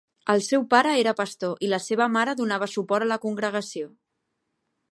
El seu pare era pastor i la seva mare donava suport a la congregació.